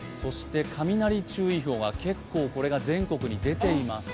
雷注意報が結構これが全国に出ています。